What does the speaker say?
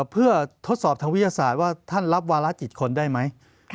เพื่อทดสอบทางวิทยาศาสตร์ว่าท่านรับวาระจิตคนได้ไหม